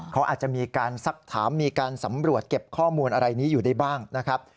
เขาอาจจะมีการสักถามมีการสำรวจเก็บข้อมูลอะไรนี้อยู่ได้บ้างนะครับ